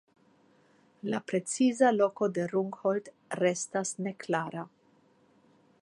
La preciza loko de Rungholt restas neklara.